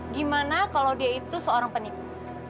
gimana kalau dia itu seorang penipu